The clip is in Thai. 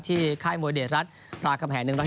ที่ค่ายมวยเดชรัฐราชคำแห่ง๑๒๒